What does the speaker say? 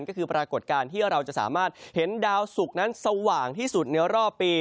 ก็คือปรากฏการณ์ที่เราจะสามารถเห็นดาวสุกนั้นสว่างที่สุดในรอบปี